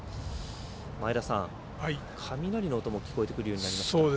前田さん、雷の音も聞こえてくるようになりました。